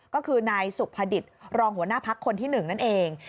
ก็คือนายสุภดิษฐ์รองหัวหน้าพักคนที่๑นั่นเอง